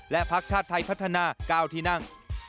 และพักชาติไทยพัฒนา๙ที่นั่ง